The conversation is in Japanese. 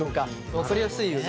分かりやすいよね。